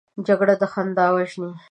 جګړه خندا وژني